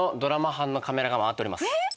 えっ！